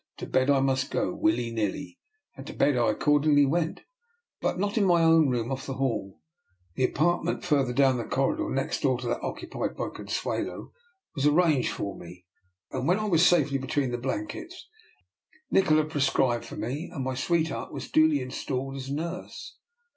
To bed I must go, willy nilly; and to bed I accordingly went, but not in my own room off the hall. An apartment further down the corridor, next door to that occupied by Consuelo, was arranged for me ; and when DR. NIKOLA'S EXPERIMENT. 257 I was safely between the blankets, Nikola prescribed for me, and my sweetheart was duly installed as nurse.